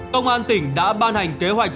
công an tỉnh đã ban hành kế hoạch